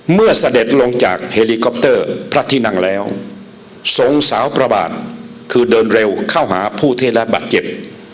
เมื่อสะเด็ดลงจากเฮลิกอปเตอร์พระทินั่งแล้วส่งสาวประบาทคือเดินเร็วเข้าหาผู้เทราบาดเจ็บ